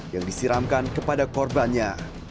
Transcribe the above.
yang disiramkan kepada korbannya